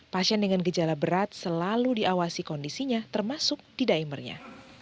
pasien dengan gejala berat selalu diawasi kondisinya termasuk di dimernya